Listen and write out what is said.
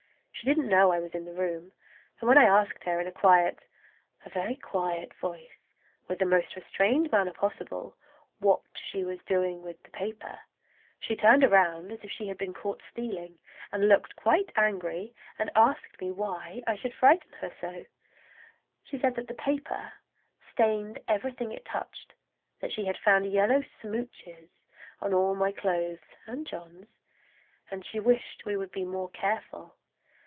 She didn't know I was in the room, and when I asked her in a quiet, a very quiet voice, with the most restrained manner possible, what she was doing with the paper she turned around as if she had been caught stealing, and looked quite angry—asked me why I should frighten her so! Then she said that the paper stained everything it touched, that she had found yellow smooches on all my clothes and John's, and she wished we would be more careful!